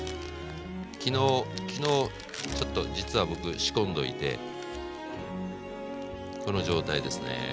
昨日昨日ちょっと実は僕仕込んどいてこの状態ですね。